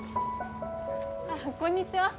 ああこんにちは。